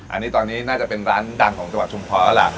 อันนี้ตอนนี้น่าจะเป็นร้านดังของจังหวัดชุมพรแล้วล่ะ